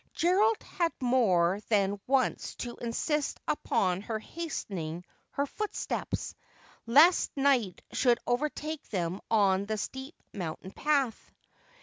Gerald had more than once to insist upon her hastening her footsteps, lest night should overtake them on the steep mountain path.